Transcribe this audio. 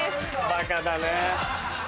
バカだね。